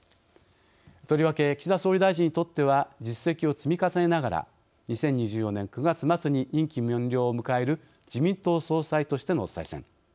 とりわけ岸田総理大臣にとっては実績を積み重ねながら２０２４年９月末に任期満了を迎える自民党総裁としての再選。